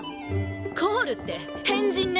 コールって変人ね。